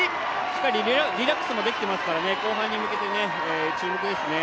しっかりリラックスできてますから後半に向けて注目ですね。